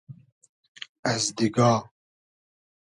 از دیگا